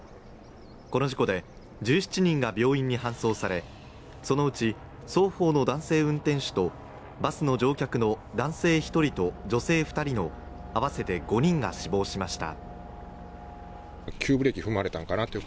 この事故で１７人が病院に搬送され、そのうち双方の男性運転手とバスの乗客の男性１人と女性２人の合わせて５人が死亡しました。